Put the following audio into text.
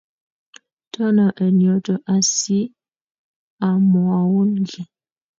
Tono en yoto asiamwoun kiy.